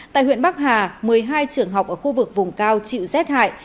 tại huyện bắc hà một mươi hai trường học ở khu vực vùng cao chịu rét hại